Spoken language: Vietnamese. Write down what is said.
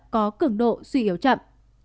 có cứng độ suy yếu chậm